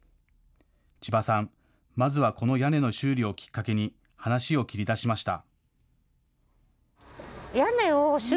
千葉さん、まずはこの屋根の修理をきっかけに話を切り出しました。